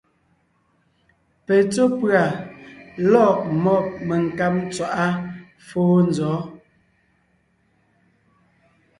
Petsɔ́ pʉ̀a lɔ̂g mɔ́b menkáb ntswaʼá fóo nzɔ̌?